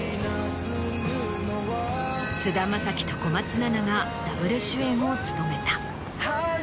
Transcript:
菅田将暉と小松菜奈がダブル主演を務めた。